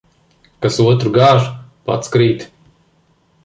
Kas otru gāž, pats krīt.